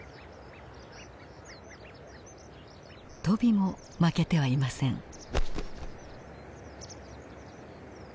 トビも負けてはいません。